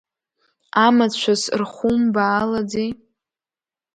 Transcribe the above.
Амацәыс рхумбаалаӡеи?